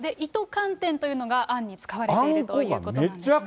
糸かんてんというのがあんに使われているということなんです